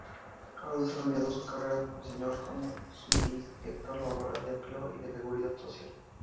Ha desarrollado su carrera profesional como subinspector laboral de empleo y de Seguridad Social.